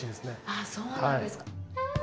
ああ、そうなんですか。